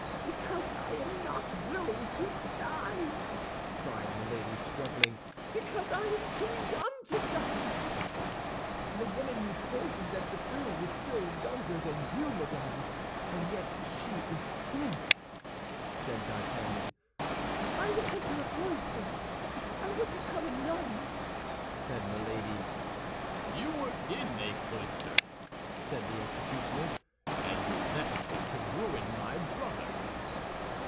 "Because I am not willing to die!" cried Milady, struggling. "Because I am too young to die!" "The woman you poisoned at Béthune was still younger than you, madame, and yet she is dead," said D'Artagnan. "I will enter a cloister; I will become a nun," said Milady. "You were in a cloister," said the executioner, "and you left it to ruin my brother."